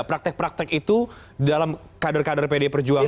praktek praktek itu dalam kader kader pdi perjuangan